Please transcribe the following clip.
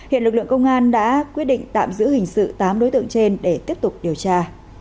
hiện lực lượng công an đã quyết định tạm giữ hình sự tám đối tượng trên để tiếp tục điều tra